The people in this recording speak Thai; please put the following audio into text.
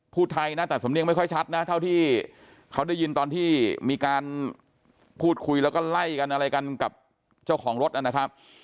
ไทยนะแต่สำเนียงไม่ค่อยชัดนะเท่าที่เขาได้ยินตอนที่มีการพูดคุยแล้วก็ไล่กันอะไรกันกับเจ้าของรถนะครับ